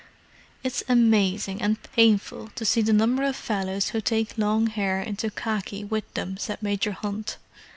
"It's amazing—and painful—to see the number of fellows who take long hair into khaki with them," said Major Hunt.